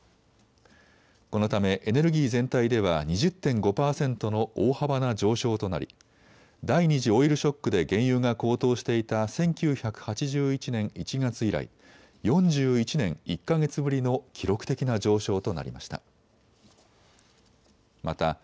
このためエネルギー全体では２０．５％の大幅な上昇となり第２次オイルショックで原油が高騰していた１９８１年１月以来、４１年１か月ぶりの記録的な上昇となりました。